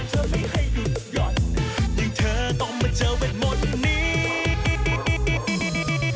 เจ๊เย็บมดหนี้